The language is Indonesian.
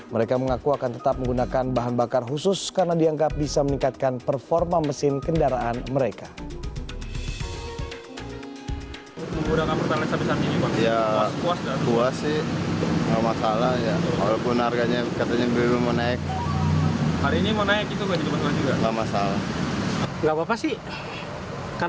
mereka mengaku akan tetap menggunakan bahan bakar khusus karena dianggap bisa meningkatkan performa mesin kendaraan mereka